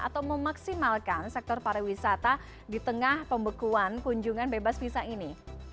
atau memaksimalkan sektor pariwisata di tengah pembekuan kunjungan bebas visa ini